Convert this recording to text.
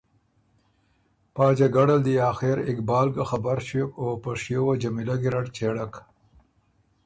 پا جګړه ل دی آخر اقبال ګه خبر ݭیوک او په شیو وه جمیلۀ ګیرډ چېړک